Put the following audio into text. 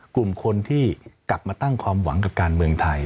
กลุ่มคนที่กลับมาตั้งความหวังกับการเมืองไทย